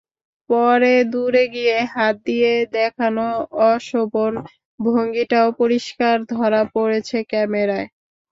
পরে দূরে গিয়ে হাত দিয়ে দেখানো অশোভন ভঙ্গিটাও পরিষ্কার ধরা পড়েছে ক্যামেরায়।